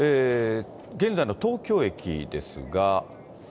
現在の東京駅ですが。